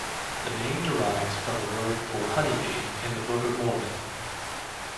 The name derives from the word for "honeybee" in the Book of Mormon.